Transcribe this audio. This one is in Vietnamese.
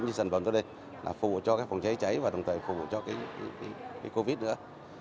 như sản phẩm tôi đây là phụ cho phòng cháy cháy và đồng thời phụ cho covid nữa